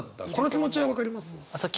気持ちは分かります。